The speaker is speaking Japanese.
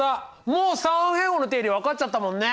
もう三平方の定理分かっちゃったもんね。